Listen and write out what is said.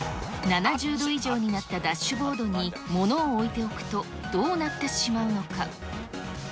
７０度以上になったダッシュボードに、ものを置いておくとどうなってしまうのか。